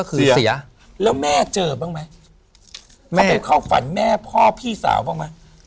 เขาไปเข้าฝันแม่พ่อพี่สาวบ้างไหม